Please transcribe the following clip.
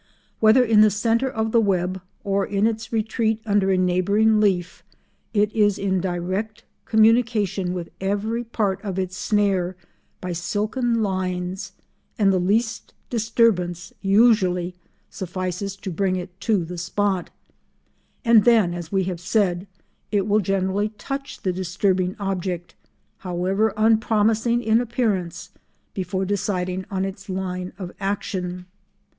Whether in the centre of the web or in its retreat under a neighbouring leaf it is in direct communication with every part of its snare by silken lines, and the least disturbance usually suffices to bring it to the spot; and then, as we have said, it will generally touch the disturbing object, however unpromising in appearance, before deciding on its line of action.